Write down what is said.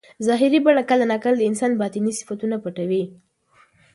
ظاهري بڼه کله ناکله د انسان باطني صفتونه پټوي.